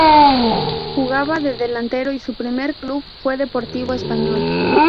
Jugaba de delantero y su primer club fue Deportivo Español.